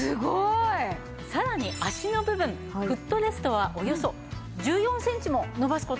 さらに脚の部分フットレストはおよそ１４センチも伸ばす事ができます。